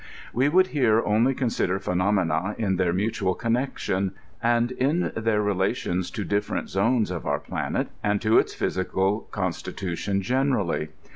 We would here only con sider phenomena in their mutual connection, and in their re lations to different zones of our planet, and to its physical con stitution generally.